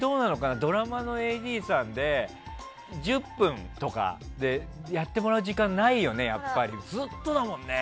ドラマのＡＤさんで１０分とかでやってもらう時間ないもんね。